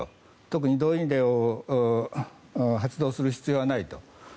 特に動員令を発動する必要はないと。